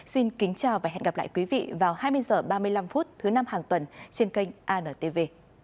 xin kính chào và hẹn gặp lại quý vị vào hai mươi h ba mươi năm thứ năm hàng tuần trên kênh antv